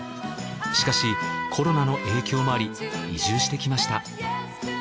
しかしコロナの影響もあり移住してきました。